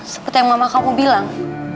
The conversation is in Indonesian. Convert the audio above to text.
seperti yang mama kamu bilang